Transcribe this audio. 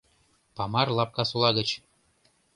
Памар Лапкасола гыч.